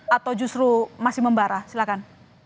atau justru masih membara silahkan